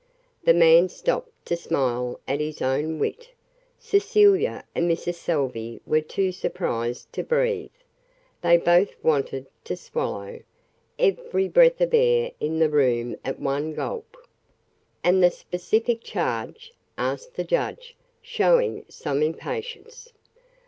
The man stopped to smile at his own wit. Cecilia and Mrs. Salvey were too surprised to breathe they both wanted to "swallow" every breath of air in the room at one gulp. "And the specific charge?" asked the judge, showing some impatience.